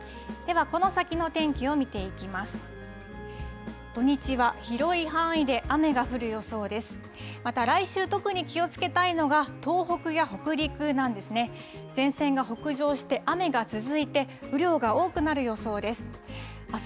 ではこの先の天気を見ていきます。